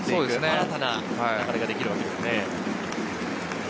新たな流れができるわけですね。